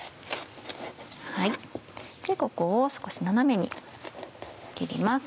ここを少し斜めに切ります。